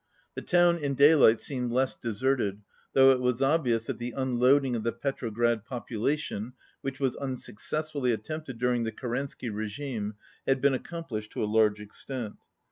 The town, in daylight, seemed less deserted, though it was obvious that the "unloading" of the Petrograd population, which was unsuccessfully attempted during the Kerensky regime, had been accom plished to a large extent.